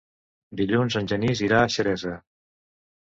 Dilluns en Genís irà a Xeresa.